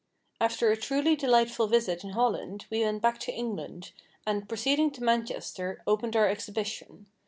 After a truly delightful visit in Holland, we went back to England; and, proceeding to Manchester, opened our exhibition.